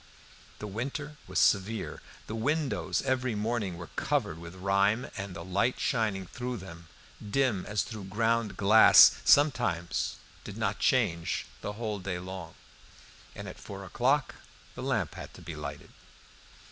The winter was severe. The windows every morning were covered with rime, and the light shining through them, dim as through ground glass, sometimes did not change the whole day long. At four o'clock the lamp had to be lighted.